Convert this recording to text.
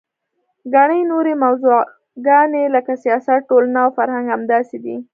ګڼې نورې موضوعګانې لکه سیاست، ټولنه او فرهنګ همداسې دي.